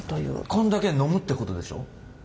こんだけ飲むってことでしょ？